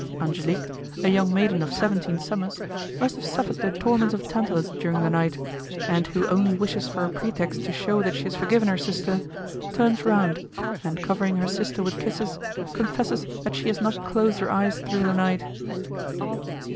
Angelique, a young maiden of seventeen summers, who must have suffered the torments of Tantalus during the night, and who only wishes for a pretext to shew that she has forgiven her sister, turns round, and covering her sister with kisses, confesses that she has not closed her eyes through the night.